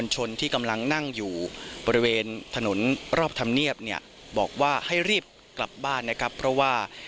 ช่วง๔นาฬิกาก็มีการประกาศออกมาว่า